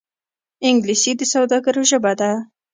انګلیسي د سوداګرو ژبه ده